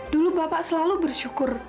dulu bapak selalu bersyukur